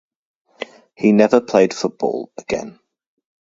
He never played football again.